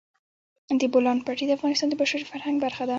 د بولان پټي د افغانستان د بشري فرهنګ برخه ده.